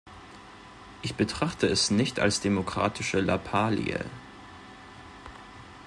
Ich betrachte es nicht als demokratische Lappalie.